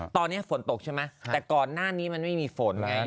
ตอนนี้ฝนตกมันยังไงแต่ก่อนหน้านี้มันไม่มีฝน